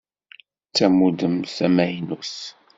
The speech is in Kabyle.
D tamudemt tamaynut.